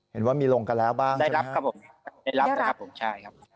เห็นว่ามีลงกันแล้วบ้างได้รับครับผมได้รับนะครับผมใช่ครับ